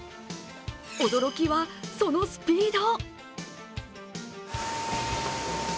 驚きはそのスピード。